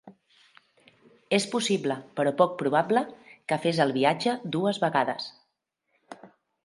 És possible, però poc probable, que fes el viatge dues vegades.